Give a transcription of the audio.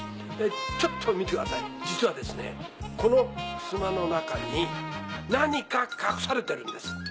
ちょっと見てください実はですねこのふすまの中に何か隠されてるんです。